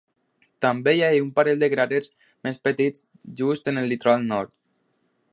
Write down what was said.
També hi ha un parell de cràters més petits just en el litoral nord.